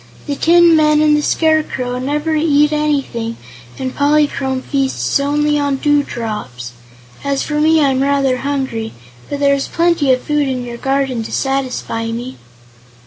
The tin men and the Scarecrow never eat anything and Polychrome feasts only on dewdrops. As for me, I'm rather hungry, but there is plenty of food in your garden to satisfy me."